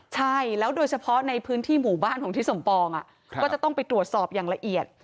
ใช่แล้วโดยเฉพาะในพื้นที่หมู่บ้านของทิศสมปองก็จะต้องไปตรวจสอบอย่างละเอียด